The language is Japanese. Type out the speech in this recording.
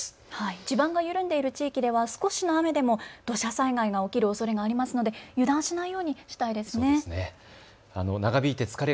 地盤が緩んでいる地域では少しの雨でも土砂災害が起きるおそれがありますので油断しないようにしたいですね。